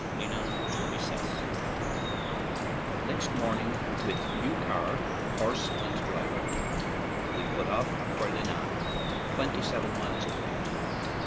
LEENANE TO RECESS NEXT morning, with new car, horse, and driver, we put of! for Leenane, twenty seven miles away.